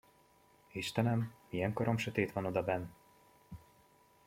Istenem, milyen koromsötét van odabenn!